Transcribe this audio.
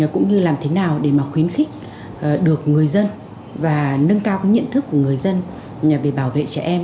cũng như làm thế nào để mà khuyến khích được người dân và nâng cao cái nhận thức của người dân về bảo vệ trẻ em